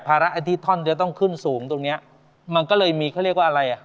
ระไอ้ที่ท่อนจะต้องขึ้นสูงตรงเนี้ยมันก็เลยมีเขาเรียกว่าอะไรอ่ะ